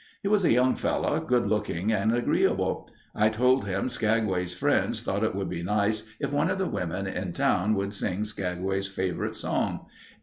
"He was a young fellow, good looking and agreeable. I told him Skagway's friends thought it would be nice if one of the women in town would sing Skagway's favorite song.